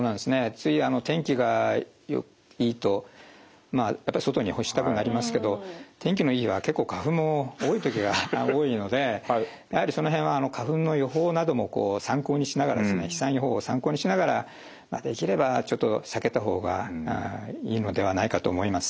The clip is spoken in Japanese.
つい天気がいいとまあやっぱり外に干したくなりますけど天気のいい日は結構花粉も多い時が多いのでやはりその辺は花粉の予報なども参考にしながら飛散予報を参考にしながらできればちょっと避けた方がいいのではないかと思います。